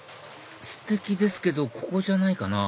ステキですけどここじゃないかな